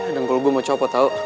nanggul gue mau copot tau